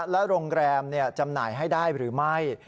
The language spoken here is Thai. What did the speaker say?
และโรงแรมจำหน่ายให้ได้หรือไม่